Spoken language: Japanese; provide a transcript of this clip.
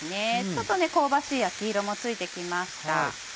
ちょっと香ばしい焼き色もついて来ました。